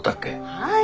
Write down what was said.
はい。